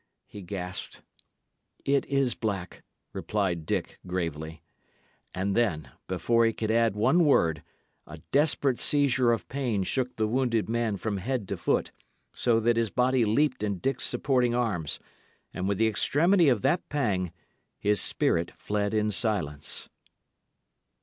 he gasped. "It is black," replied Dick, gravely. And then, before he could add one word, a desperate seizure of pain shook the wounded man from head to foot, so that his body leaped in Dick's supporting arms, and with the extremity of that pang his spirit fled in silence.